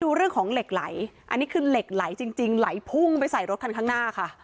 ดูเรื่องของเหล็กไหลอันนี้คือเหล็กไหลจริงไหลพุ่งไปใส่รถคันข้างหน้าค่ะ